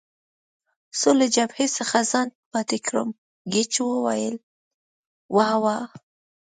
څو له جبهې څخه ځان پاتې کړم، ګېج وویل: وا وا.